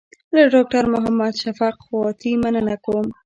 له ډاکټر محمد شفق خواتي مننه کوم.